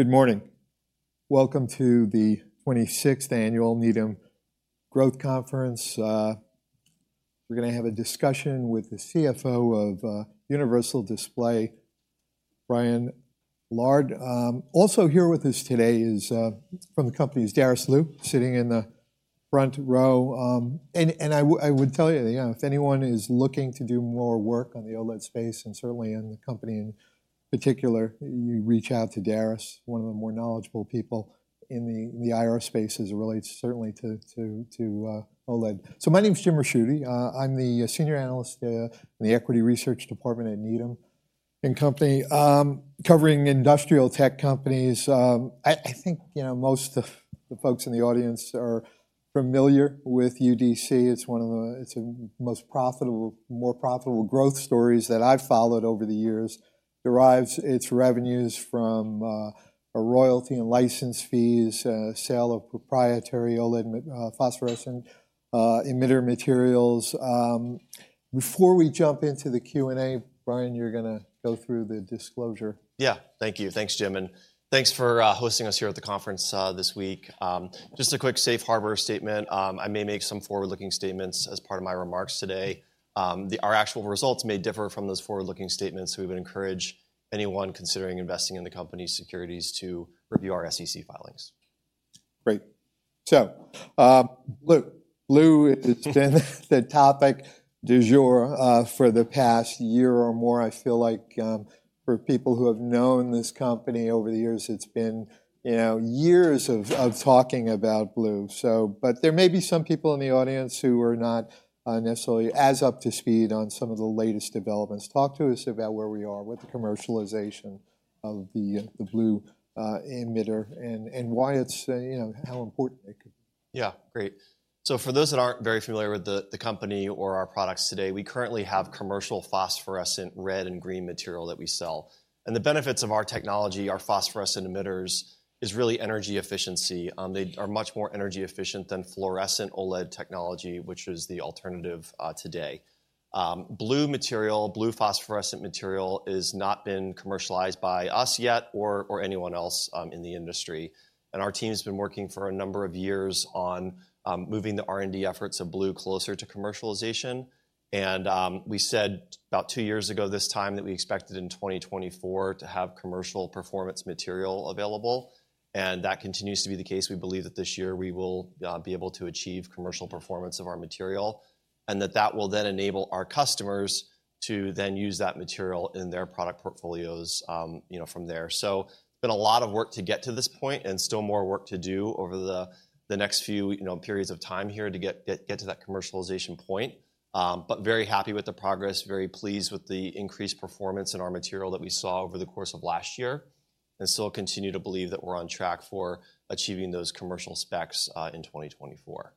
Good morning. Welcome to the twenty-sixth Annual Needham Growth Conference. We're gonna have a discussion with the CFO of Universal Display, Brian Millard. Also here with us today is from the company, is Darice Liu, sitting in the front row. And I would tell you, you know, if anyone is looking to do more work on the OLED space, and certainly on the company in particular, you reach out to Darice, one of the more knowledgeable people in the IR space relates certainly to OLED. So my name's Jim Ricchiuti. I'm the senior analyst in the equity research department at Needham & Company, covering industrial tech companies. I think, you know, most of the folks in the audience are familiar with UDC. It's one of the most profitable, more profitable growth stories that I've followed over the years. Derives its revenues from a royalty and license fees, sale of proprietary OLED phosphorescent emitter materials. Before we jump into the Q&A, Brian, you're gonna go through the disclosure. Yeah. Thank you. Thanks, Jim, and thanks for hosting us here at the conference this week. Just a quick safe harbor statement. I may make some forward-looking statements as part of my remarks today. Our actual results may differ from those forward-looking statements, so we would encourage anyone considering investing in the company's securities to review our SEC filings. Great. So, look, it's been the topic du jour for the past year or more. I feel like, for people who have known this company over the years, it's been, you know, years of talking about blue. So, but there may be some people in the audience who are not necessarily as up to speed on some of the latest developments. Talk to us about where we are with the commercialization of the blue emitter and why it's, you know, how important it could be. Yeah, great. So for those that aren't very familiar with the company or our products today, we currently have commercial phosphorescent red and green material that we sell. And the benefits of our technology, our phosphorescent emitters, is really energy efficiency. They are much more energy efficient than fluorescent OLED technology, which is the alternative, today. Blue material, blue phosphorescent material, has not been commercialized by us yet or anyone else in the industry. And our team's been working for a number of years on moving the R&D efforts of blue closer to commercialization. And we said about two years ago this time, that we expected in 2024 to have commercial performance material available, and that continues to be the case. We believe that this year we will be able to achieve commercial performance of our material, and that that will then enable our customers to then use that material in their product portfolios, you know, from there. So it's been a lot of work to get to this point, and still more work to do over the next few, you know, periods of time here to get to that commercialization point. But very happy with the progress, very pleased with the increased performance in our material that we saw over the course of last year, and still continue to believe that we're on track for achieving those commercial specs in 2024.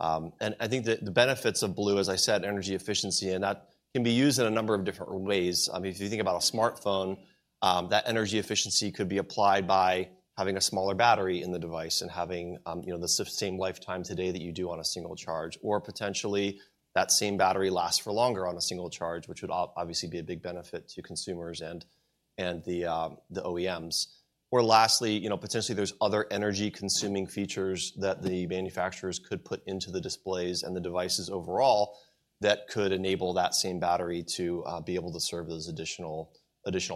And I think that the benefits of blue, as I said, energy efficiency, and that can be used in a number of different ways. I mean, if you think about a smartphone, that energy efficiency could be applied by having a smaller battery in the device and having, you know, the same lifetime today that you do on a single charge, or potentially that same battery lasts for longer on a single charge, which would obviously be a big benefit to consumers and the OEMs. Or lastly, you know, potentially there's other energy-consuming features that the manufacturers could put into the displays and the devices overall that could enable that same battery to be able to serve those additional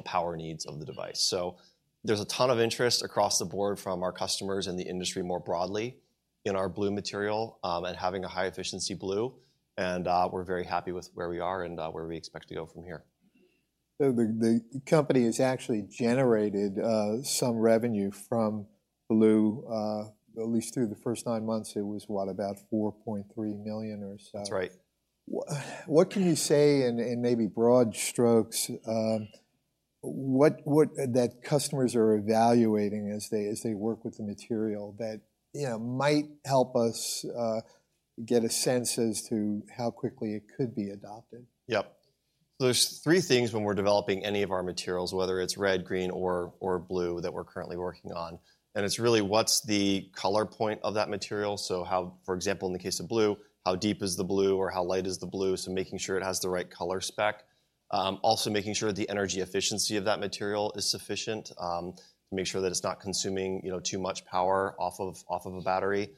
power needs of the device. So there's a ton of interest across the board from our customers and the industry more broadly in our blue material, and having a high-efficiency blue, and we're very happy with where we are and where we expect to go from here. The company has actually generated some revenue from blue, at least through the first nine months. It was, what, about $4.3 million or so? That's right. What can you say, in maybe broad strokes, what that customers are evaluating as they work with the material that, you know, might help us get a sense as to how quickly it could be adopted? Yep. So there's three things when we're developing any of our materials, whether it's red, green, or blue, that we're currently working on, and it's really what's the color point of that material? So how, for example, in the case of blue, how deep is the blue or how light is the blue? So making sure it has the right color spec. Also making sure the energy efficiency of that material is sufficient to make sure that it's not consuming, you know, too much power off of a battery.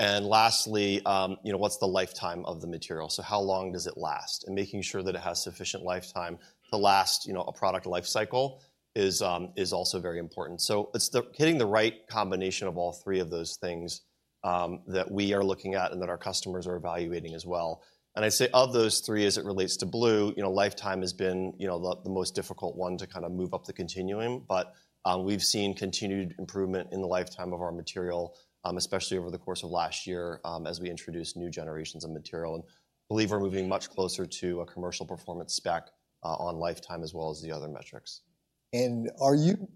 And lastly, you know, what's the lifetime of the material? So how long does it last? And making sure that it has sufficient lifetime to last, you know, a product lifecycle is also very important. So it's hitting the right combination of all three of those things, that we are looking at and that our customers are evaluating as well. And I'd say of those three, as it relates to blue, you know, lifetime has been, you know, the most difficult one to kind of move up the continuum. But, we've seen continued improvement in the lifetime of our material, especially over the course of last year, as we introduced new generations of material, and believe we're moving much closer to a commercial performance spec, on lifetime as well as the other metrics. And are you,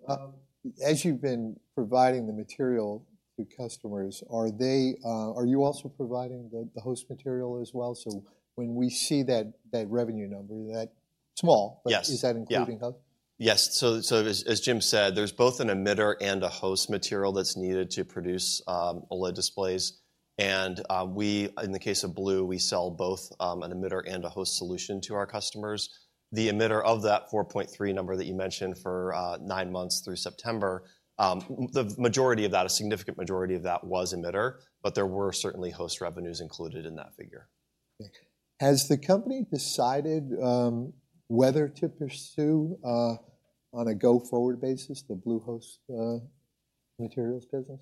as you've been providing the material to customers, are they, are you also providing the host material as well? So when we see that revenue number, that small- Yes. But is that including host? Yeah. Yes. So, as Jim said, there's both an emitter and a host material that's needed to produce OLED displays and we, in the case of blue, we sell both an emitter and a host solution to our customers. The emitter of that $4.3 number that you mentioned for nine months through September, the majority of that, a significant majority of that was emitter, but there were certainly host revenues included in that figure. Okay. Has the company decided whether to pursue on a go-forward basis, the blue host materials business?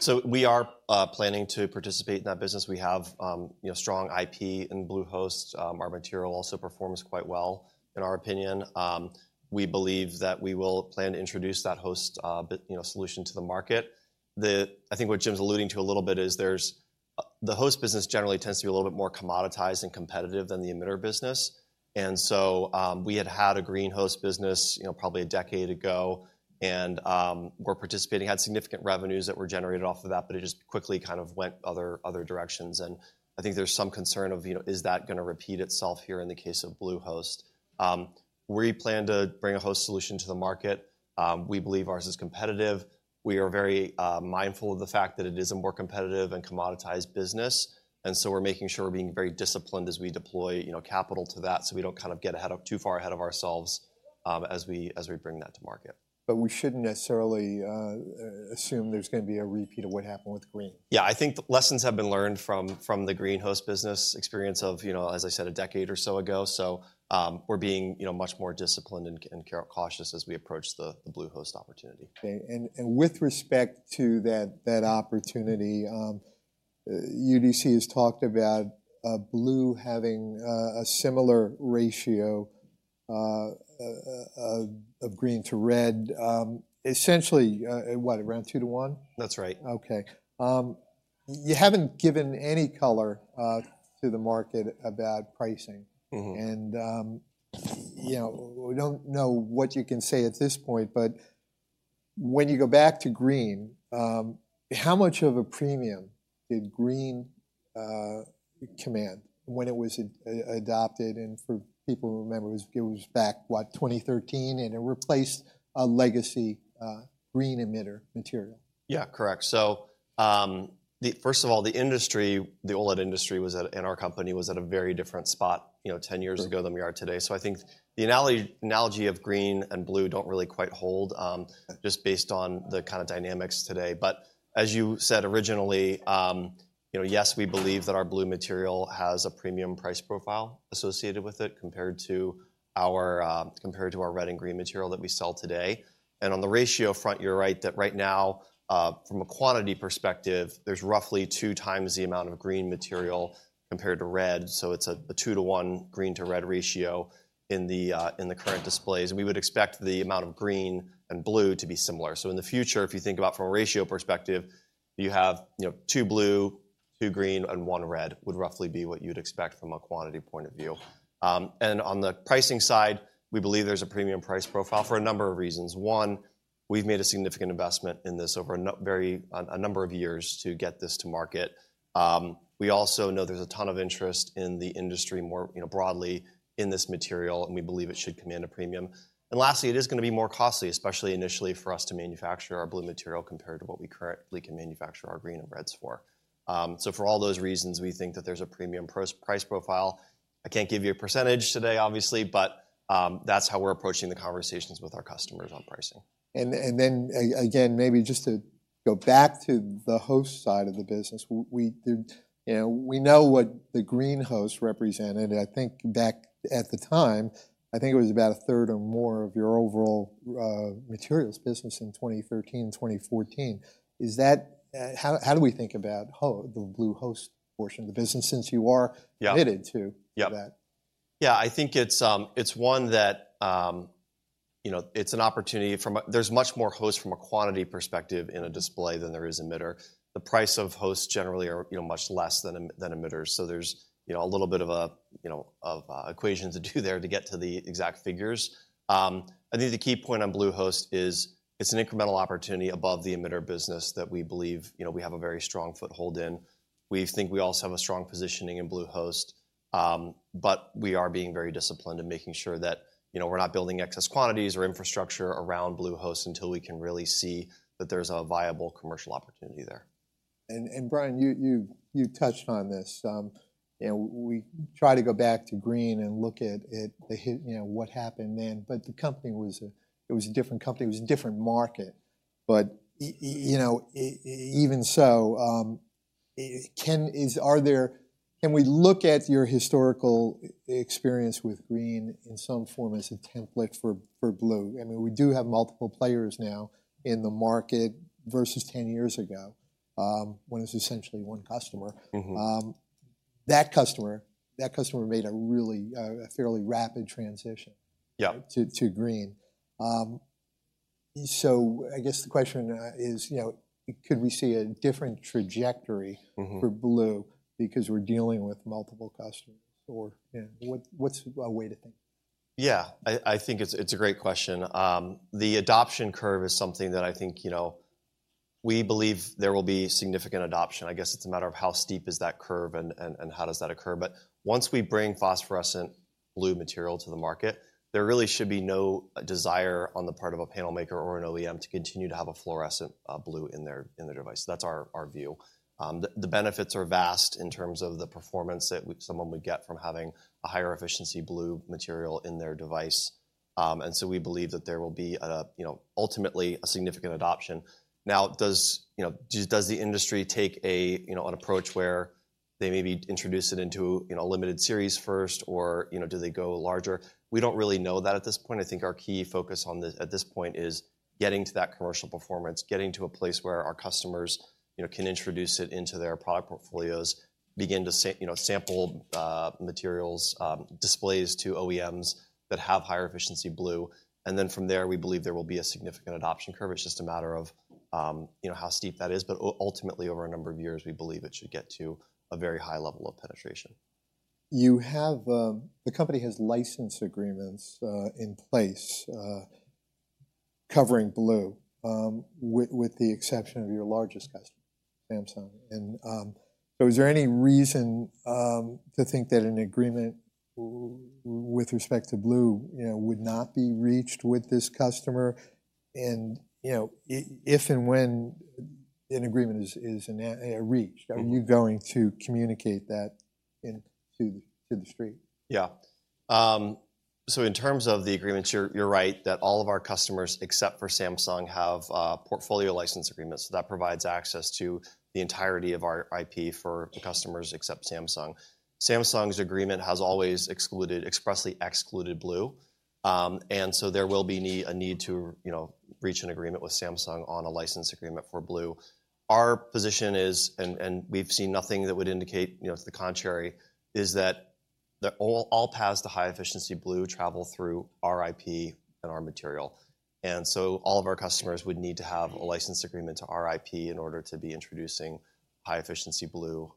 So we are planning to participate in that business. We have, you know, strong IP in blue host. Our material also performs quite well in our opinion. We believe that we will plan to introduce that host, you know, solution to the market. I think what Jim's alluding to a little bit is there's the host business generally tends to be a little bit more commoditized and competitive than the emitter business. And so, we had had a green host business, you know, probably a decade ago, and were participating, had significant revenues that were generated off of that, but it just quickly kind of went other directions. And I think there's some concern of, you know, is that gonna repeat itself here in the case of blue host? We plan to bring a host solution to the market. We believe ours is competitive. We are very mindful of the fact that it is a more competitive and commoditized business, and so we're making sure we're being very disciplined as we deploy, you know, capital to that, so we don't kind of get ahead of... too far ahead of ourselves, as we bring that to market. But we shouldn't necessarily assume there's gonna be a repeat of what happened with green? Yeah, I think lessons have been learned from the green host business experience of, you know, as I said, a decade or so ago. So, we're being, you know, much more disciplined and cautious as we approach the blue host opportunity. Okay. And with respect to that opportunity, UDC has talked about blue having a similar ratio of green to red, essentially around two to one? That's right. Okay. You haven't given any color to the market about pricing. Mm-hmm. You know, we don't know what you can say at this point, but when you go back to green, how much of a premium did green command when it was adopted? For people who remember, it was back, what, 2013, and it replaced a legacy green emitter material. Yeah, correct. So, the First of all, the industry, the OLED industry was at, and our company was at a very different spot, you know, 10 years ago than we are today. So I think the analogy of green and blue don't really quite hold, just based on the kind of dynamics today. But as you said originally, you know, yes, we believe that our blue material has a premium price profile associated with it, compared to our red and green material that we sell today. And on the ratio front, you're right, that right now, from a quantity perspective, there's roughly 2x the amount of green material compared to red. So it's a two-to-one green to red ratio in the current displays, and we would expect the amount of green and blue to be similar. So in the future, if you think about from a ratio perspective, you have, you know, two blue, two green, and one red, would roughly be what you'd expect from a quantity point of view. And on the pricing side, we believe there's a premium price profile for a number of reasons. One, we've made a significant investment in this over a number of years to get this to market. We also know there's a ton of interest in the industry, more, you know, broadly in this material, and we believe it should command a premium. And lastly, it is gonna be more costly, especially initially, for us to manufacture our blue material compared to what we currently can manufacture our green and reds for. So for all those reasons, we think that there's a premium price profile. I can't give you a percentage today, obviously, but that's how we're approaching the conversations with our customers on pricing. And then again, maybe just to go back to the host side of the business, we, you know, we know what the green host represented. I think back at the time, I think it was about a third or more of your overall materials business in 2013, 2014. Is that... How do we think about the blue host portion of the business, since you are- Yeah... committed to- Yeah -that? Yeah, I think it's, it's one that, you know, it's an opportunity from a-There's much more host from a quantity perspective in a display than there is emitter. The price of hosts generally are, you know, much less than than emitters. So there's, you know, a little bit of a of equation to do there to get to the exact figures. I think the key point on blue host is it's an incremental opportunity above the emitter business that we believe, you know, we have a very strong foothold in. We think we also have a strong positioning in blue host, but we are being very disciplined in making sure that, you know, we're not building excess quantities or infrastructure around blue host until we can really see that there's a viable commercial opportunity there. Brian, you touched on this. You know, we try to go back to green and look at, you know, what happened then. But the company was, it was a different company. It was a different market. But you know, even so, can we look at your historical experience with green in some form as a template for blue? I mean, we do have multiple players now in the market versus 10 years ago, when it's essentially one customer. Mm-hmm. that customer, that customer made a really, a fairly rapid transition- Yeah... to green. So I guess the question is, you know, could we see a different trajectory? For blue because we're dealing with multiple customers? Or, yeah, what, what's a way to think? Yeah, I, I think it's, it's a great question. The adoption curve is something that I think, you know, we believe there will be significant adoption. I guess it's a matter of how steep is that curve and, and, and how does that occur? But once we bring phosphorescent blue material to the market, there really should be no desire on the part of a panel maker or an OEM to continue to have a fluorescent blue in their, in their device. That's our, our view. The, the benefits are vast in terms of the performance that someone would get from having a higher efficiency blue material in their device. And so we believe that there will be at a, you know, ultimately, a significant adoption. Now, does, you know, does the industry take a, you know, an approach where they maybe introduce it into, a limited series first, or, you know, do they go larger? We don't really know that at this point. I think our key focus on this, at this point is getting to that commercial performance, getting to a place where our customers, you know, can introduce it into their product portfolios, begin to sample, you know, materials displays to OEMs that have higher efficiency blue, and then from there, we believe there will be a significant adoption curve. It's just a matter of, you know, how steep that is, but ultimately, over a number of years, we believe it should get to a very high level of penetration. You have the company has license agreements in place covering blue with the exception of your largest customer, Samsung. And so is there any reason to think that an agreement with respect to blue, you know, would not be reached with this customer? And you know if and when an agreement is reached, are you going to communicate that to the street? Yeah. So in terms of the agreements, you're right, that all of our customers, except for Samsung, have portfolio license agreements. So that provides access to the entirety of our IP for the customers except Samsung. Samsung's agreement has always expressly excluded blue. And so there will be a need to, you know, reach an agreement with Samsung on a license agreement for blue. Our position is, and we've seen nothing that would indicate, you know, to the contrary, is that all paths to high efficiency blue travel through our IP and our material. And so all of our customers would need to have a license agreement to our IP in order to be introducing high-efficiency blue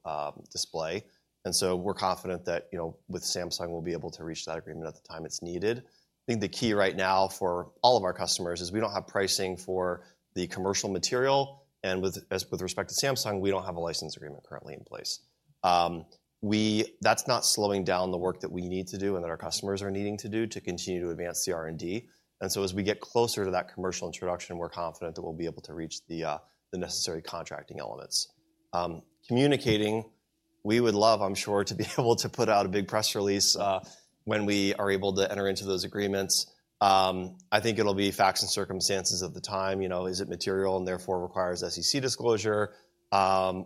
display. And so we're confident that, you know, with Samsung, we'll be able to reach that agreement at the time it's needed. I think the key right now for all of our customers is we don't have pricing for the commercial material, and as with respect to Samsung, we don't have a license agreement currently in place. That's not slowing down the work that we need to do and that our customers are needing to do to continue to advance the R&D. And so, as we get closer to that commercial introduction, we're confident that we'll be able to reach the necessary contracting elements. Communicating, we would love, I'm sure, to be able to put out a big press release when we are able to enter into those agreements. I think it'll be facts and circumstances at the time. You know, is it material and therefore requires SEC disclosure? you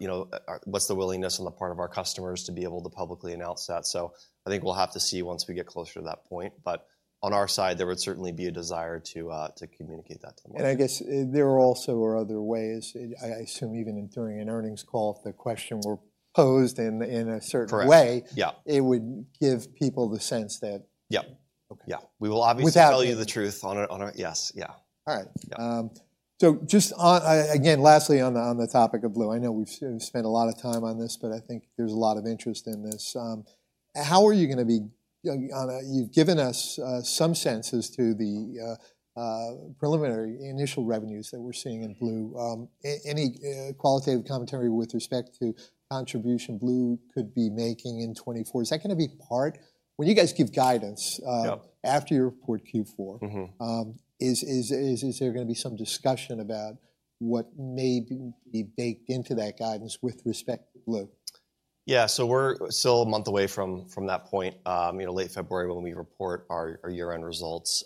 know, what's the willingness on the part of our customers to be able to publicly announce that? So I think we'll have to see once we get closer to that point. But on our side, there would certainly be a desire to, to communicate that to the market. I guess there also are other ways, I assume, even during an earnings call, if the question were posed in a certain way- Correct. Yeah. it would give people the sense that Yeah. Okay. Yeah. We will obviously- Without- To tell you the truth on our... Yes. Yeah. All right. Yeah. So just on... again, lastly, on the, on the topic of blue, I know we've spent a lot of time on this, but I think there's a lot of interest in this. How are you gonna be, you've given us, some sense as to the, preliminary initial revenues that we're seeing in blue. Any, qualitative commentary with respect to contribution blue could be making in 2024? Is that gonna be part when you guys give guidance, Yeah... after you report Q4- Mm-hmm... is there gonna be some discussion about what may be baked into that guidance with respect to blue? Yeah. So we're still a month away from that point, you know, late February, when we report our year-end results.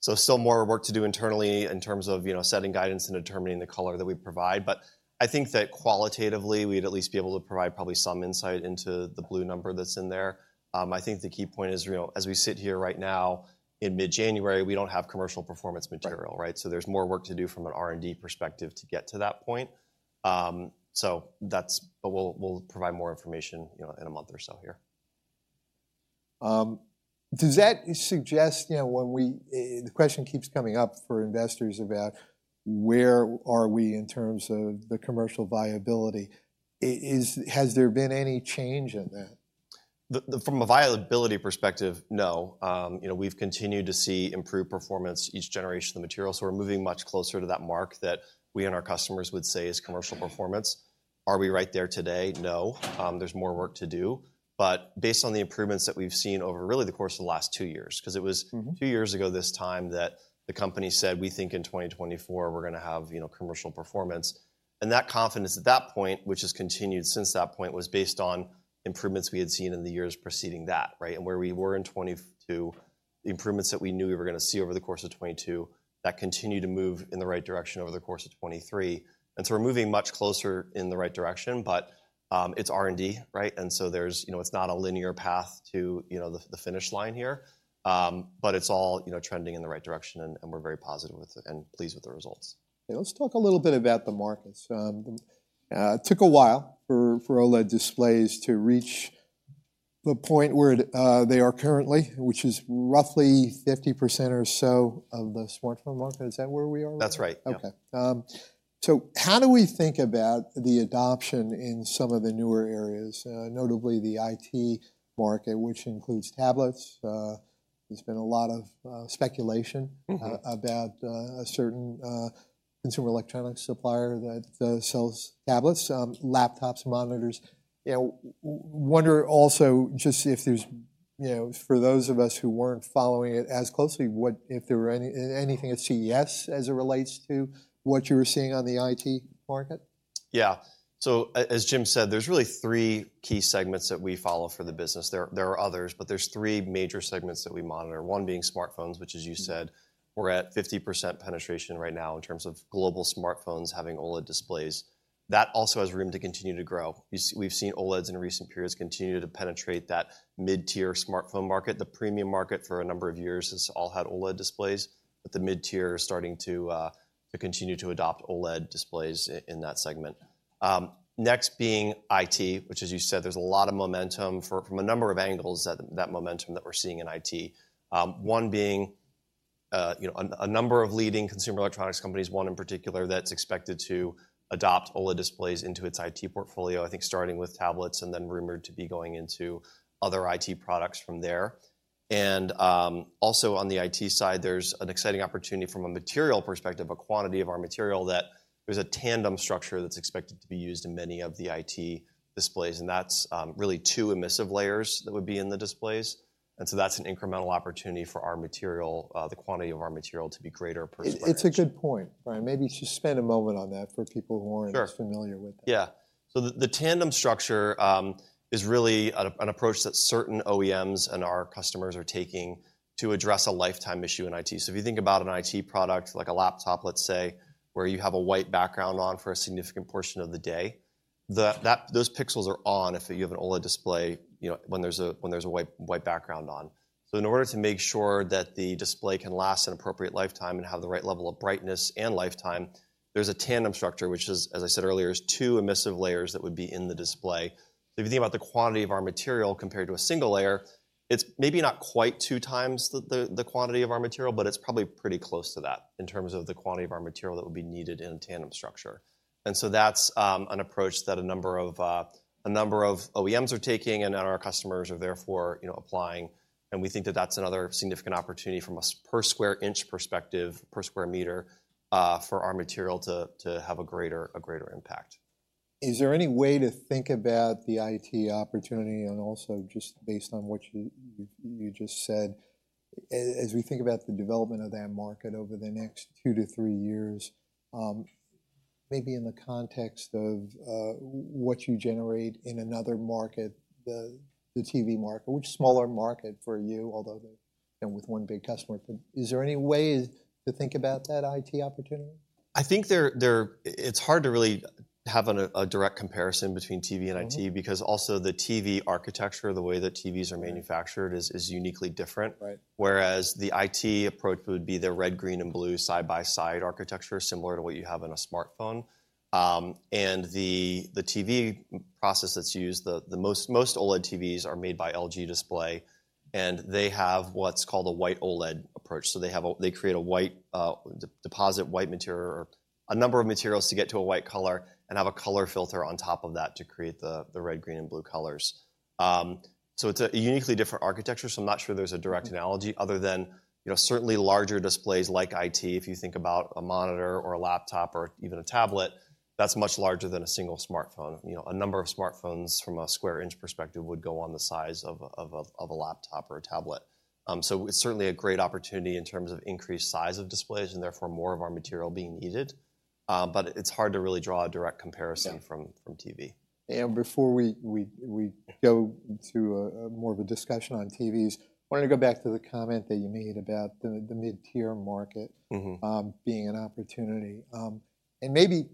So still more work to do internally in terms of, you know, setting guidance and determining the color that we provide. But I think that qualitatively, we'd at least be able to provide probably some insight into the blue number that's in there. I think the key point is, you know, as we sit here right now, in mid-January, we don't have commercial performance material, right? Right. There's more work to do from an R&D perspective to get to that point. But we'll provide more information, you know, in a month or so here. Does that suggest, you know, when we, the question keeps coming up for investors about where are we in terms of the commercial viability, has there been any change in that? From a viability perspective, no. You know, we've continued to see improved performance each generation of the material, so we're moving much closer to that mark that we and our customers would say is commercial performance. Are we right there today? No. There's more work to do, but based on the improvements that we've seen over really the course of the last two years, because it was- Mm-hmm... two years ago this time that the company said, "We think in 2024, we're gonna have, you know, commercial performance." And that confidence at that point, which has continued since that point, was based on improvements we had seen in the years preceding that, right? And where we were in 2022, the improvements that we knew we were gonna see over the course of 2022, that continued to move in the right direction over the course of 2023. And so we're moving much closer in the right direction, but it's R&D, right? And so there's, you know, it's not a linear path to, you know, the finish line here. But it's all, you know, trending in the right direction, and we're very positive with, and pleased with the results. Yeah. Let's talk a little bit about the markets. It took a while for OLED displays to reach the point where they are currently, which is roughly 50% or so of the smartphone market. Is that where we are? That's right. Yeah. Okay. So how do we think about the adoption in some of the newer areas, notably the IT market, which includes tablets... There's been a lot of speculation- Mm-hmm. About a certain consumer electronics supplier that sells tablets, laptops, monitors. You know, I wonder also just if there's, you know, for those of us who weren't following it as closely, what if there were anything at CES as it relates to what you were seeing on the IT market? Yeah. So as Jim said, there's really three key segments that we follow for the business. There are others, but there's three major segments that we monitor. One being smartphones, which, as you said, we're at 50% penetration right now in terms of global smartphones having OLED displays. That also has room to continue to grow. We've seen OLEDs in recent periods continue to penetrate that mid-tier smartphone market. The premium market, for a number of years, has all had OLED displays, but the mid-tier is starting to to continue to adopt OLED displays in that segment. Next being IT, which, as you said, there's a lot of momentum from a number of angles, that momentum that we're seeing in IT. One being, you know, a number of leading consumer electronics companies, one in particular, that's expected to adopt OLED displays into its IT portfolio, I think starting with tablets and then rumored to be going into other IT products from there. And, also on the IT side, there's an exciting opportunity from a material perspective, a quantity of our material that there's a tandem structure that's expected to be used in many of the IT displays, and that's, really two emissive layers that would be in the displays. And so that's an incremental opportunity for our material, the quantity of our material to be greater per square inch. It's a good point, Brian. Maybe just spend a moment on that for people who aren't- Sure. as familiar with that. Yeah. So the tandem structure is really an approach that certain OEMs and our customers are taking to address a lifetime issue in IT. So if you think about an IT product, like a laptop, let's say, where you have a white background on for a significant portion of the day, those pixels are on if you have an OLED display, you know, when there's a white background on. So in order to make sure that the display can last an appropriate lifetime and have the right level of brightness and lifetime, there's a tandem structure, which is, as I said earlier, two emissive layers that would be in the display. If you think about the quantity of our material compared to a single layer, it's maybe not quite 2x the quantity of our material, but it's probably pretty close to that in terms of the quantity of our material that would be needed in a tandem structure. And so that's an approach that a number of OEMs are taking, and then our customers are therefore, you know, applying, and we think that that's another significant opportunity from a per square inch perspective, per square meter, for our material to have a greater impact. Is there any way to think about the IT opportunity and also just based on what you just said, as we think about the development of that market over the next two to three years, maybe in the context of what you generate in another market, the TV market, which is a smaller market for you, although than with one big customer. Is there any way to think about that IT opportunity? I think it's hard to really have a direct comparison between TV and IT- Mm-hmm. because also the TV architecture, the way that TVs are manufactured Right. is uniquely different. Right. Whereas the IT approach would be the red, green, and blue side-by-side architecture, similar to what you have on a smartphone. The TV process that's used, the most OLED TVs are made by LG Display, and they have what's called a white OLED approach. They create a white deposit white material or a number of materials to get to a white color and have a color filter on top of that to create the red, green, and blue colors. So it's a uniquely different architecture, so I'm not sure there's a direct analogy other than, you know, certainly larger displays like IT, if you think about a monitor or a laptop or even a tablet, that's much larger than a single smartphone. You know, a number of smartphones from a square inch perspective would go on the size of a laptop or a tablet. So it's certainly a great opportunity in terms of increased size of displays and therefore more of our material being needed, but it's hard to really draw a direct comparison- Yeah. from TV. Before we go to a more of a discussion on TVs, I wanted to go back to the comment that you made about the mid-tier market- Mm-hmm... being an opportunity. And maybe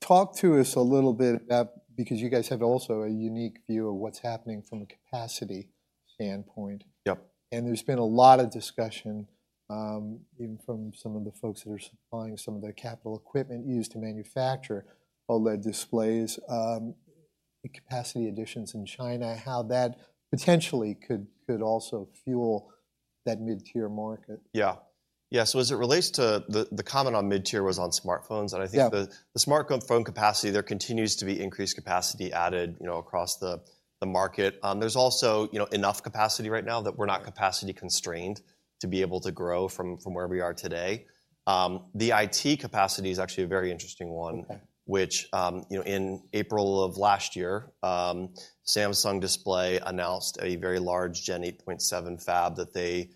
talk to us a little bit about, because you guys have also a unique view of what's happening from a capacity standpoint. Yep. There's been a lot of discussion, even from some of the folks that are supplying some of the capital equipment used to manufacture OLED displays, the capacity additions in China, how that potentially could also fuel that mid-tier market. Yeah. Yeah, so as it relates to the comment on mid-tier was on smartphones- Yeah. And I think the smartphone capacity, there continues to be increased capacity added, you know, across the market. There's also, you know, enough capacity right now that we're not capacity constrained to be able to grow from where we are today. The IT capacity is actually a very interesting one- Okay... which, you know, in April of last year, Samsung Display announced a very large Gen-8.7 fab that they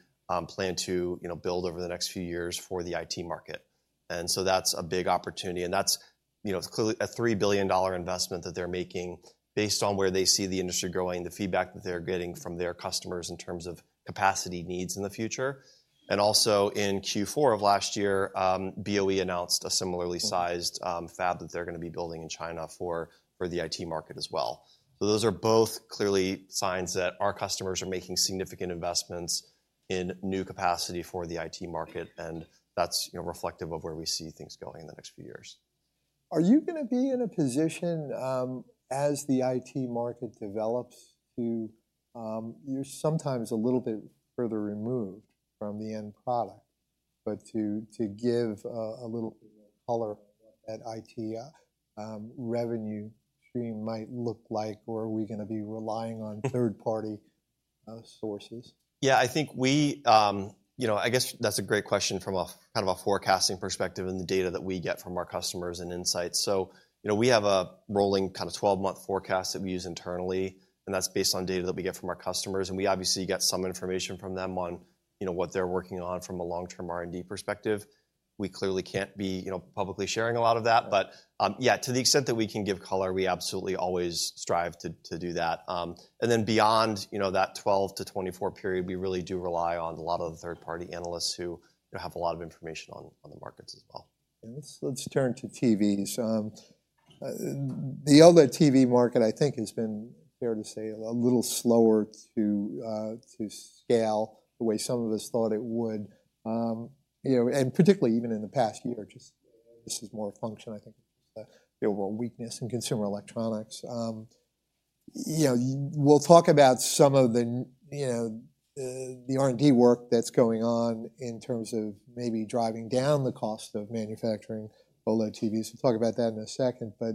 plan to, you know, build over the next few years for the IT market. And so that's a big opportunity, and that's, you know, it's clearly a $3 billion investment that they're making based on where they see the industry going, the feedback that they're getting from their customers in terms of capacity needs in the future. And also, in Q4 of last year, BOE announced a similarly sized- Mm-hmm... fab that they're gonna be building in China for the IT market as well. So those are both clearly signs that our customers are making significant investments in new capacity for the IT market, and that's, you know, reflective of where we see things going in the next few years. Are you gonna be in a position, as the IT market develops, to, you're sometimes a little bit further removed from the end product, but to give a little color at IT revenue stream might look like, or are we gonna be relying on third-party sources? Yeah, I think we, you know, I guess that's a great question from a kind of a forecasting perspective and the data that we get from our customers and insights. So, you know, we have a rolling kind of 12-month forecast that we use internally, and that's based on data that we get from our customers, and we obviously get some information from them on, you know, what they're working on from a long-term R&D perspective. We clearly can't be publicly sharing a lot of that, but, yeah, to the extent that we can give color, we absolutely always strive to, to do that. And then beyond, you know, that 12- to 24- period, we really do rely on a lot of the third-party analysts who, you know, have a lot of information on, on the markets as well. Yeah. Let's turn to TVs. The OLED TV market, I think, has been fair to say, a little slower to scale the way some of us thought it would. You know, and particularly even in the past year, just this is more a function, I think, the overall weakness in consumer electronics. You know, we'll talk about some of the, you know, the R&D work that's going on in terms of maybe driving down the cost of manufacturing OLED TVs. We'll talk about that in a second, but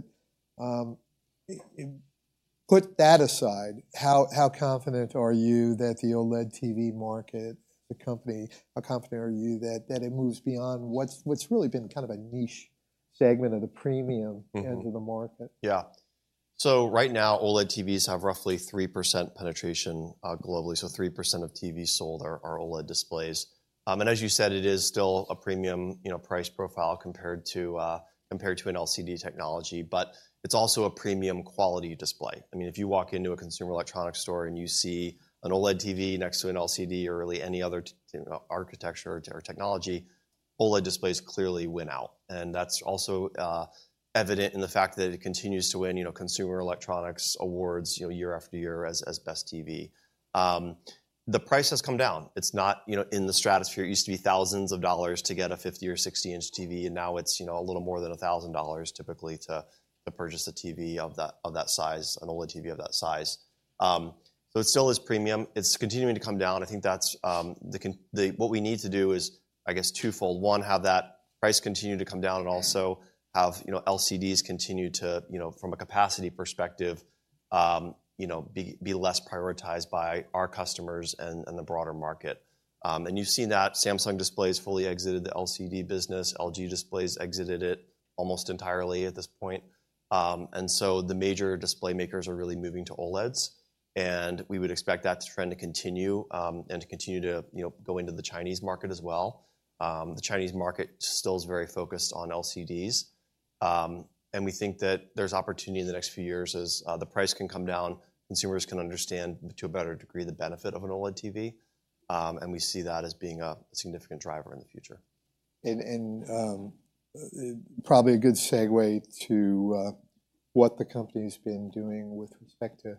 put that aside, how confident are you that the OLED TV market, the company—how confident are you that it moves beyond what's really been kind of a niche segment of the premium- Mm-hmm. - end of the market? Yeah. So right now, OLED TVs have roughly 3% penetration globally, so 3% of TVs sold are OLED displays. And as you said, it is still a premium, you know, price profile compared to compared to an LCD technology, but it's also a premium quality display. I mean, if you walk into a consumer electronics store and you see an OLED TV next to an LCD or really any other architecture or technology, OLED displays clearly win out, and that's also evident in the fact that it continues to win, you know, consumer electronics awards, you know, year after year as best TV. The price has come down. It's not, you know, in the stratosphere. It used to be thousands of dollars to get a 50- or 60-inch TV, and now it's, you know, a little more than $1,000 typically to purchase a TV of that size, an OLED TV of that size. So it still is premium. It's continuing to come down. I think that's what we need to do is, I guess, twofold: One, have that price continue to come down and also have, you know, LCDs continue to, you know, from a capacity perspective, be less prioritized by our customers and the broader market. And you've seen that Samsung Display fully exited the LCD business, LG Display exited it almost entirely at this point. And so the major display makers are really moving to OLEDs, and we would expect that trend to continue, and to continue to, you know, go into the Chinese market as well. The Chinese market still is very focused on LCDs, and we think that there's opportunity in the next few years as the price can come down, consumers can understand, to a better degree, the benefit of an OLED TV, and we see that as being a significant driver in the future. Probably a good segue to what the company's been doing with respect to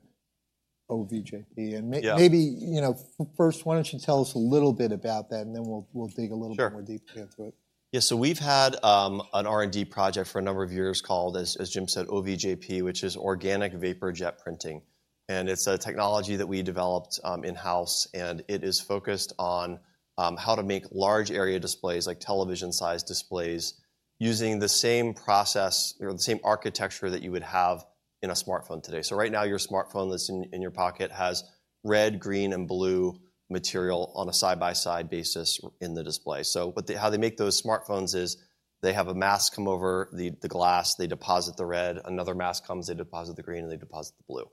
OVJP. Yeah. Maybe, you know, first, why don't you tell us a little bit about that, and then we'll dig a little- Sure. more deeply into it. Yeah. So we've had an R&D project for a number of years called, as Jim said, OVJP, which is Organic Vapor Jet Printing, and it's a technology that we developed in-house, and it is focused on how to make large area displays, like television-sized displays, using the same process or the same architecture that you would have in a smartphone today. So right now, your smartphone that's in your pocket has red, green, and blue material on a side-by-side basis in the display. So, how they make those smartphones is they have a mask come over the glass, they deposit the red, another mask comes, they deposit the green, and they deposit the blue.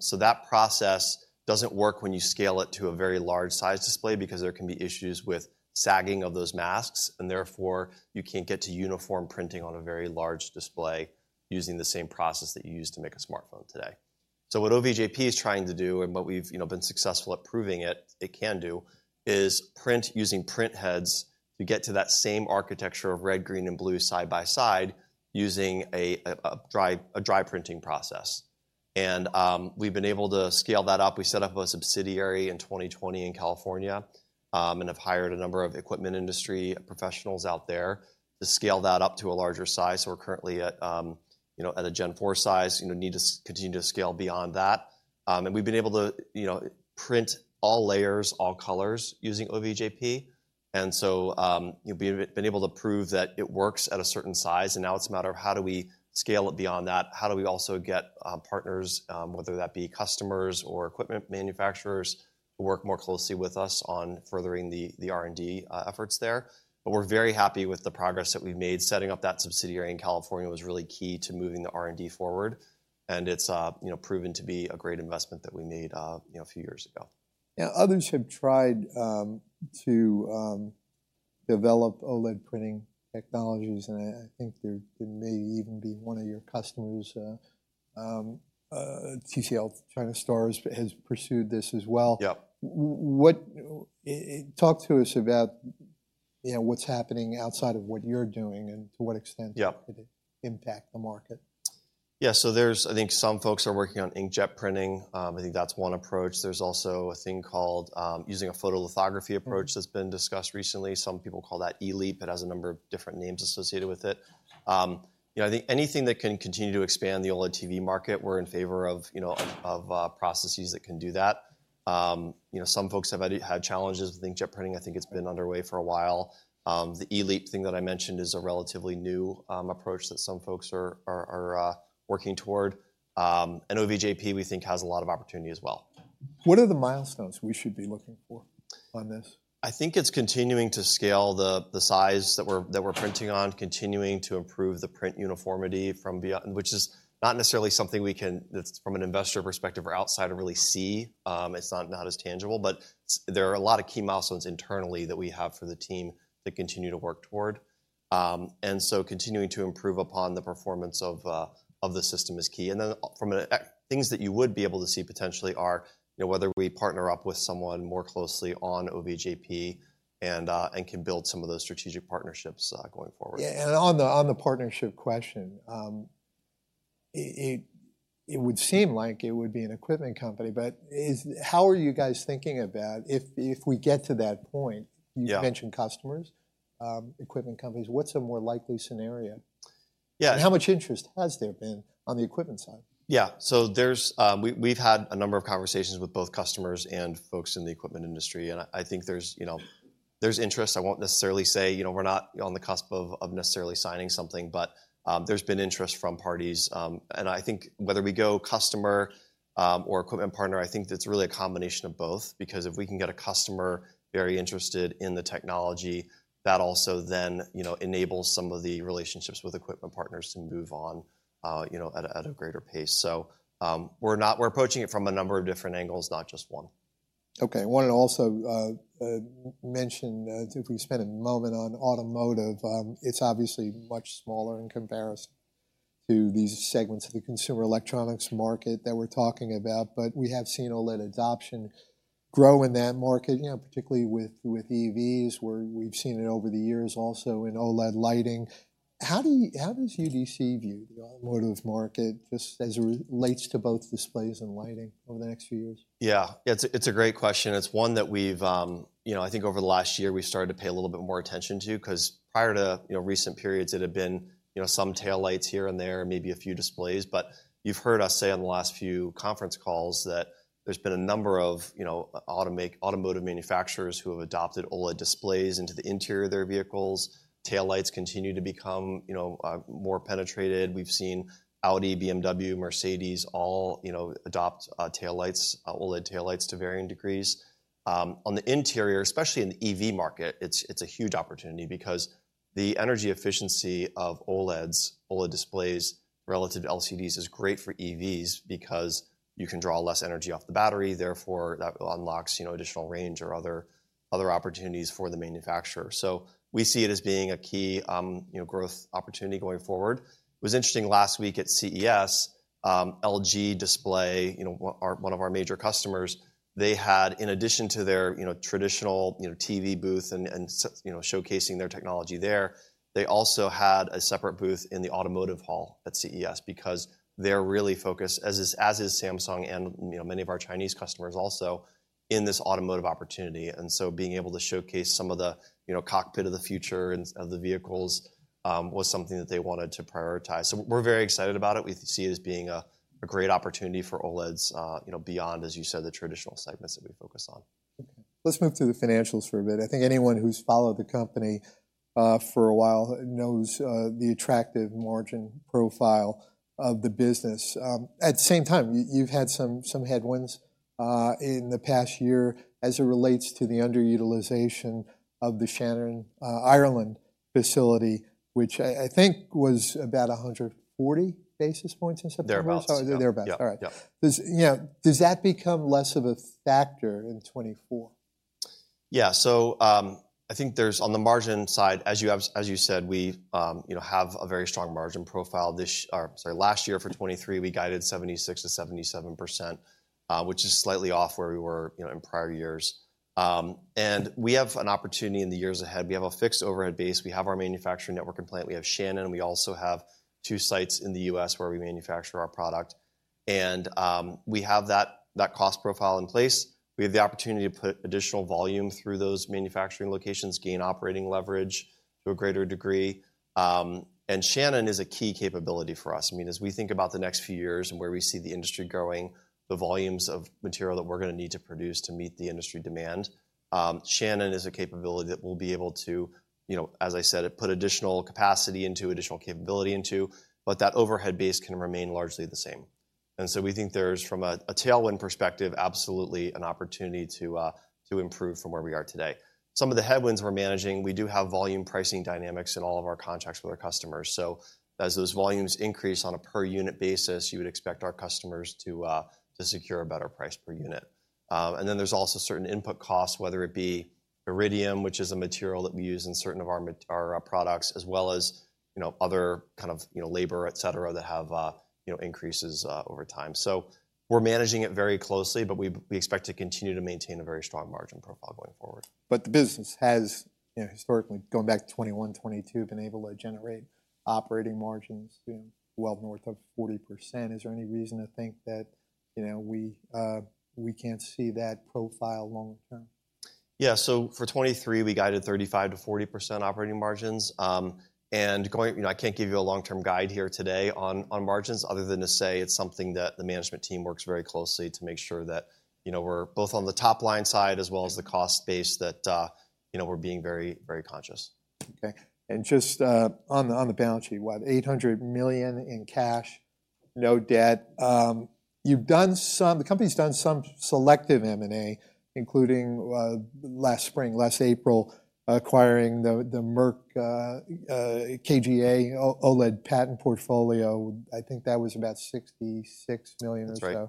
So that process doesn't work when you scale it to a very large size display because there can be issues with sagging of those masks, and therefore, you can't get to uniform printing on a very large display using the same process that you use to make a smartphone today. So what OVJP is trying to do, and what we've, you know, been successful at proving it, it can do, is print using print heads to get to that same architecture of red, green, and blue side by side, using a dry printing process. And we've been able to scale that up. We set up a subsidiary in 2020 in California, and have hired a number of equipment industry professionals out there to scale that up to a larger size. So we're currently at, you know, at a Gen-4 size, you know, need to continue to scale beyond that. And we've been able to, you know, print all layers, all colors using OVJP, and so, we've been able to prove that it works at a certain size, and now it's a matter of how do we scale it beyond that? How do we also get, partners, whether that be customers or equipment manufacturers, to work more closely with us on furthering the R&D, efforts there. But we're very happy with the progress that we've made. Setting up that subsidiary in California was really key to moving the R&D forward, and it's, you know, proven to be a great investment that we made, you know, a few years ago. Now, others have tried to develop OLED printing technologies, and I think there may even be one of your customers, TCL China Star has pursued this as well. Yeah. Talk to us about, you know, what's happening outside of what you're doing and to what extent- Yeah. Could it impact the market? Yeah. So there's I think some folks are working on inkjet printing. I think that's one approach. There's also a thing called using a photolithography approach that's been discussed recently. Some people call that eLEAP. It has a number of different names associated with it. You know, I think anything that can continue to expand the OLED TV market, we're in favor of, you know, of processes that can do that. You know, some folks have had challenges with inkjet printing. I think it's been underway for a while. The eLEAP thing that I mentioned is a relatively new approach that some folks are working toward. And OVJP, we think, has a lot of opportunity as well. What are the milestones we should be looking for on this? I think it's continuing to scale the size that we're printing on, continuing to improve the print uniformity from beyond—which is not necessarily something we can, that from an investor perspective or outsider, really see. It's not as tangible, but there are a lot of key milestones internally that we have for the team to continue to work toward. And so continuing to improve upon the performance of the system is key. And then from things that you would be able to see potentially are, you know, whether we partner up with someone more closely on OVJP and can build some of those strategic partnerships going forward. Yeah, and on the partnership question, it would seem like it would be an equipment company, but how are you guys thinking about if we get to that point? Yeah. You've mentioned customers, equipment companies. What's a more likely scenario? Yeah. How much interest has there been on the equipment side? Yeah. We've had a number of conversations with both customers and folks in the equipment industry, and I think there's, you know, there's interest. I won't necessarily say, you know, we're not on the cusp of necessarily signing something, but there's been interest from parties. And I think whether we go customer or equipment partner, I think it's really a combination of both, because if we can get a customer very interested in the technology, that also then, you know, enables some of the relationships with equipment partners to move on, you know, at a greater pace. So, we're approaching it from a number of different angles, not just one. Okay. I wanted to also mention if we spent a moment on automotive, it's obviously much smaller in comparison to these segments of the consumer electronics market that we're talking about, but we have seen OLED adoption grow in that market, you know, particularly with EVs, where we've seen it over the years, also in OLED lighting. How does UDC view the automotive market, just as it relates to both displays and lighting over the next few years? Yeah, it's a, it's a great question. It's one that we've, you know, I think over the last year, we've started to pay a little bit more attention to, 'cause prior to, you know, recent periods, it had been, you know, some tail lights here and there, maybe a few displays. But you've heard us say on the last few conference calls that there's been a number of, you know, automotive manufacturers who have adopted OLED displays into the interior of their vehicles. Tail lights continue to become, you know, more penetrated. We've seen Audi, BMW, Mercedes, all, you know, adopt tail lights, OLED tail lights, to varying degrees. On the interior, especially in the EV market, it's a huge opportunity because the energy efficiency of OLEDs, OLED displays, relative to LCDs, is great for EVs because you can draw less energy off the battery, therefore, that unlocks, you know, additional range or other opportunities for the manufacturer. So we see it as being a key, you know, growth opportunity going forward. It was interesting, last week at CES, LG Display, you know, our one of our major customers, they had, in addition to their, you know, traditional, you know, TV booth and showcasing their technology there, they also had a separate booth in the automotive hall at CES because they're really focused, as is Samsung and, you know, many of our Chinese customers also, in this automotive opportunity. And so being able to showcase some of the, you know, cockpit of the future and of the vehicles, was something that they wanted to prioritize. So we're very excited about it. We see it as being a great opportunity for OLEDs, you know, beyond, as you said, the traditional segments that we focus on. Let's move to the financials for a bit. I think anyone who's followed the company for a while knows the attractive margin profile of the business. At the same time, you've had some headwinds in the past year as it relates to the underutilization of the Shannon, Ireland facility, which I think was about 140 basis points in September. Thereabout. Thereabout. Yeah. All right. Yeah. Does, you know, does that become less of a factor in 2024? Yeah. So, I think on the margin side, as you said, we, you know, have a very strong margin profile last year for 2023, we guided 76%-77%, which is slightly off where we were, you know, in prior years. And we have an opportunity in the years ahead. We have a fixed overhead base, we have our manufacturing network in play, we have Shannon, and we also have two sites in the U.S. where we manufacture our product. And we have that cost profile in place. We have the opportunity to put additional volume through those manufacturing locations, gain operating leverage to a greater degree. And Shannon is a key capability for us. I mean, as we think about the next few years and where we see the industry growing, the volumes of material that we're gonna need to produce to meet the industry demand, Shannon is a capability that we'll be able to, you know, as I said, put additional capacity into, additional capability into, but that overhead base can remain largely the same. And so we think there's, from a tailwind perspective, absolutely an opportunity to improve from where we are today. Some of the headwinds we're managing, we do have volume pricing dynamics in all of our contracts with our customers. So as those volumes increase on a per unit basis, you would expect our customers to secure a better price per unit. And then there's also certain input costs, whether it be Iridium, which is a material that we use in certain of our our products, as well as, you know, other kind of, you know, labor, et cetera, that have you know increases over time. So we're managing it very closely, but we expect to continue to maintain a very strong margin profile going forward. But the business has, you know, historically, going back to 2021, 2022, been able to generate operating margins well north of 40%. Is there any reason to think that, you know, we, we can't see that profile long term? Yeah. So for 2023, we guided 35%-40% operating margins. And going, you know, I can't give you a long-term guide here today on margins, other than to say it's something that the management team works very closely to make sure that, you know, we're both on the top line side, as well as the cost base, that you know, we're being very, very conscious. Okay. And just on the balance sheet, what, $800 million in cash, no debt. You've done some... The company's done some selective M&A, including last spring, last April, acquiring the Merck KGaA OLED patent portfolio. I think that was about $66 million or so. That's right.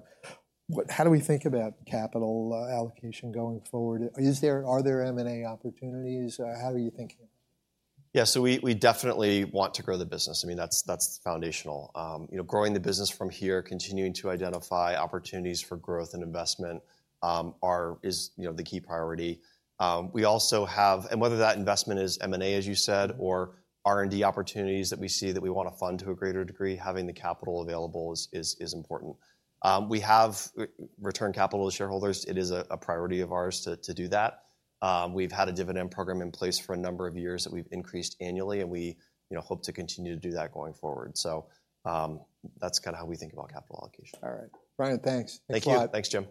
How do we think about capital allocation going forward? Is there, are there M&A opportunities? How are you thinking? Yeah, so we definitely want to grow the business. I mean, that's foundational. You know, growing the business from here, continuing to identify opportunities for growth and investment, is the key priority. And whether that investment is M&A, as you said, or R&D opportunities that we see that we want to fund to a greater degree, having the capital available is important. We have returned capital to shareholders. It is a priority of ours to do that. We've had a dividend program in place for a number of years that we've increased annually, and we, you know, hope to continue to do that going forward. So, that's kind of how we think about capital allocation. All right. Brian, thanks. Thank you. Thanks a lot. Thanks, Jim.